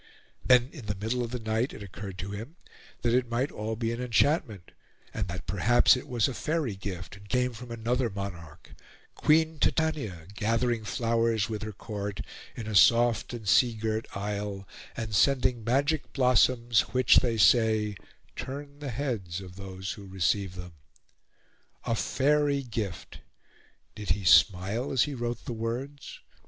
Then, in the middle of the night, it occurred to him, that it might all be an enchantment, and that, perhaps, it was a Faery gift and came from another monarch: Queen Titania, gathering flowers, with her Court, in a soft and sea girt isle, and sending magic blossoms, which, they say, turn the heads of those who receive them. A Faery gift! Did he smile as he wrote the words?